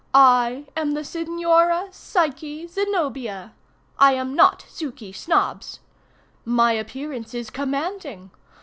I am the Signora Psyche Zenobia. I am not Suky Snobbs. My appearance is commanding.